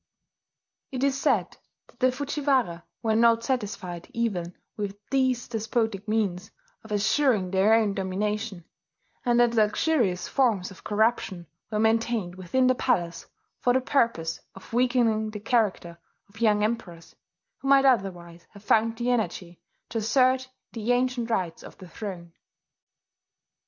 It is said that the Fujiwara were not satisfied even with these despotic means of assuring their own domination, and that luxurious forms of corruption were maintained within the palace for the purpose of weakening the character of young emperors who might otherwise have found the energy to assert the ancient rights of the throne.